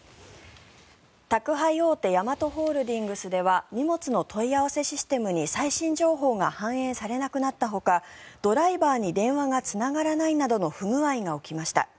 宅配大手ヤマトホールディングスでは荷物の問い合わせシステムに最新情報が反映されなくなったほかドライバーに電話がつながらないなどの不具合が起きました。